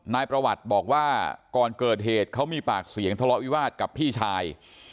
นายประวัติบอกว่าก่อนเกิดเหตุเขามีปากเสียงทะเลาะวิวาสกับพี่ชาย